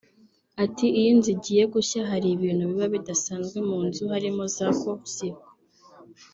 Ati“ Iyo inzu igiye gushya hari ibintu biba bidasanzwe mu nzu harimo za ‘Cour Circuit”